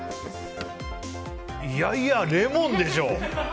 いやいや、レモンでしょ。